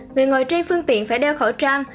người ngồi trên phương tiện phải đeo khẩu trang